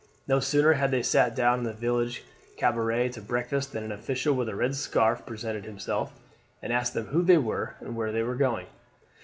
No sooner had they sat down in the village cabaret to breakfast than an official with a red scarf presented himself, and asked them who they were and where they were going.